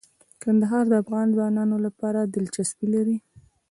کندهار د افغان ځوانانو لپاره دلچسپي لري.